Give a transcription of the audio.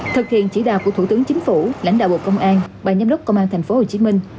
thực hiện chỉ đạo của thủ tướng chính phủ lãnh đạo bộ công an ban giám đốc công an thành phố hồ chí minh